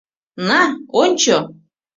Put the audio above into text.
На, ончо!